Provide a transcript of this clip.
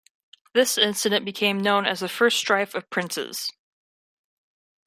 This incident became known as the First Strife of Princes.